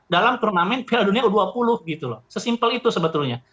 dalam turnamen piala dunia u dua puluh gitu loh sesimpel itu sebetulnya